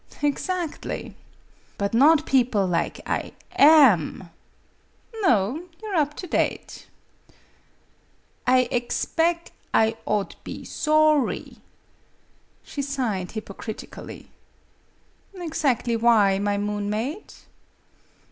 "Exactly." " But not people lig I am ?" "No; you are up to date." " I egspeg 1 ought be sawry ?" She sighed hypocritically. " Exactly why, my moon maid